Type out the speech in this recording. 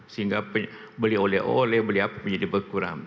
sehingga beli oleh oleh beli apa menjadi berkurang